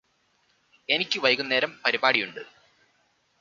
എനിക്ക് വൈകുന്നേരം പരിപാടിയുണ്ട്